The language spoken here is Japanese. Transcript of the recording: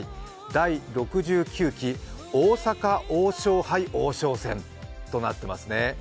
第６９期大阪王将杯王将戦となっていますね。